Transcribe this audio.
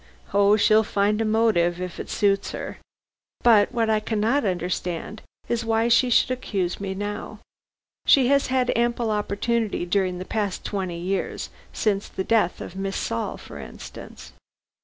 "Oh, she'll find a motive if it suits her. But what I cannot understand is, why she should accuse me now. She has had ample opportunity during the past twenty years, since the death of Miss Saul, for instance."